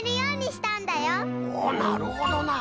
なるほどな。